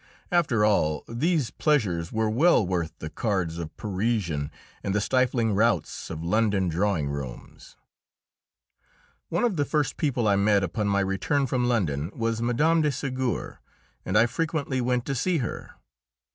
After all, these pleasures were well worth the cards of Parisian and the stifling routs of London drawing rooms. One of the first people I met, upon my return from London, was Mme. de Ségur, and I frequently went to see her.